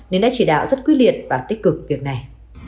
nên đã chỉ đạo rất quyết liệt và tích cực việc này